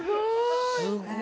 すごーい！